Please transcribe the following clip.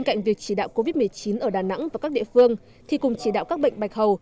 cạnh việc chỉ đạo covid một mươi chín ở đà nẵng và các địa phương thì cùng chỉ đạo các bệnh bạch hầu